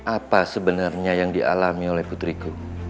apa sebenarnya yang dialami oleh putriku